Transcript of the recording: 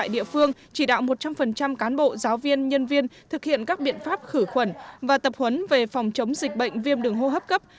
địa phương chỉ đạo một trăm linh cán bộ giáo viên nhân viên thực hiện các biện pháp khử khuẩn và tập huấn về phòng chống dịch bệnh viêm đường hô hấp cấp